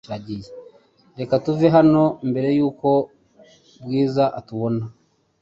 Reka tuve hano mbere yuko Bwiza atubona .